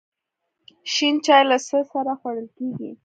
شین چای له څه سره خوړل کیږي؟